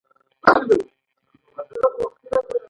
دوهم له نه غوښتل شوي حالت څخه ګرځیدل دي.